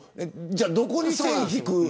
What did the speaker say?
どこで線を引くか。